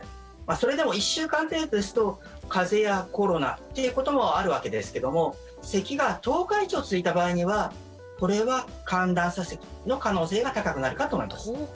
それでも１週間程度ですと風邪やコロナということもあるわけですけどもせきが１０日以上続いた場合にはこれは寒暖差せきの可能性が高くなるかと思います。